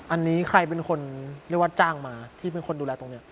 อันนี้ใครเป็นคนเรียกว่าจ้างมาที่เป็นคนดูแลตรงนี้